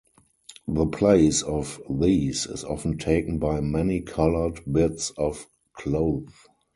The place of these is often taken by many-colored bits of cloth.